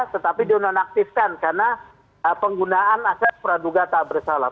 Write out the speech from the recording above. tetapi di nonaktifkan karena penggunaan aset praduga tak bersalah